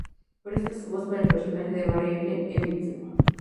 Presta su voz para el personaje de Barry Allen en "Vixen".